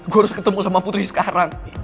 gue harus ketemu sama putri sekarang